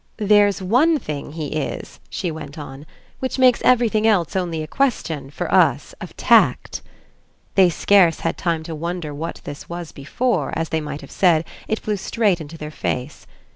There's one thing he is," she went on, "which makes everything else only a question, for us, of tact." They scarce had time to wonder what this was before, as they might have said, it flew straight into their face.